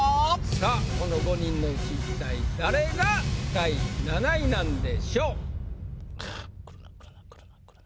さぁこの５人のうち一体誰が第７位なんでしょう？